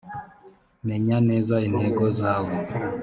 menya neza intego zawe